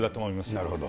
なるほど。